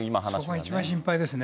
そこが一番心配ですね。